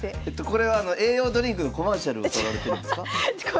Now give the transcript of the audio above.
これは栄養ドリンクのコマーシャルを撮られてるんですか？